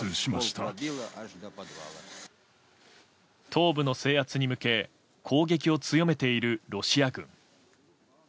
東部の制圧に向け攻撃を強めているロシア軍。